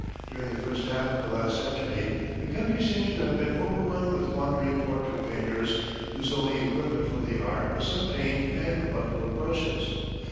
During the first half of the last century, the country seems to have been overrun with wandering portrait painters, whose only equipment for the art was some paint and a bundle of brushes.